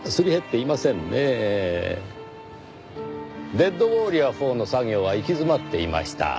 『デッドウォーリア４』の作業は行き詰まっていました。